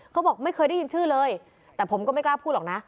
เขาบอกไม่เคยได้ยินชื่อเลยแต่ผมก็ไม่กล้าพูดหรอกนะ